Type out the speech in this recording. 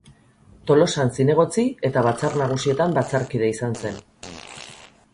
Tolosan zinegotzi eta Batzar Nagusietan batzarkide izan zen.